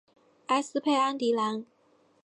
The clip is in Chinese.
埃斯佩安迪兰。